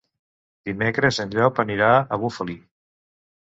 Dimecres en Llop anirà a Bufali.